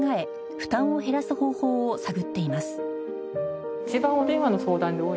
負担を減らす方法を探っています